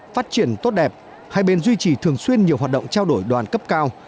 phát triển tốt đẹp hai bên duy trì thường xuyên nhiều hoạt động trao đổi đoàn cấp cao